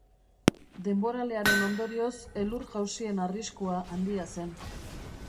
Denboralearen ondorioz elur-jausien arriskua handia zen.